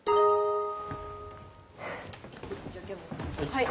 はい。